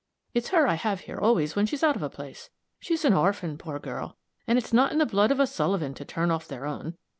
"It's her I have here always when she's out of a place. She's an orphan, poor girl, and it's not in the blood of a Sullivan to turn off their own.